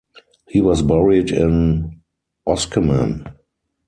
He was buried in Oskemen.